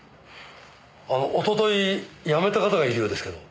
あのおととい辞めた方がいるようですけど。